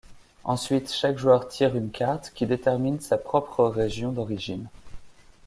Ensuite chaque joueur tire une carte qui détermine sa propre région d'origine.